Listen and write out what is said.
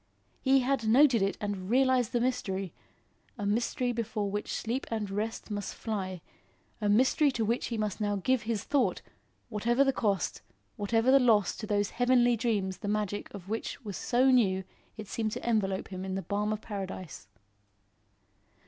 He had noted it and realised the mystery; a mystery before which sleep and rest must fly; a mystery to which he must now give his thought, whatever the cost, whatever the loss to those heavenly dreams the magic of which was so new it seemed to envelope him in the balm of Paradise.